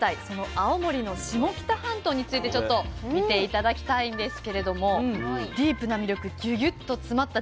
青森の下北半島についてちょっと見て頂きたいんですけれどもディープな魅力ギュギュッと詰まった地域です。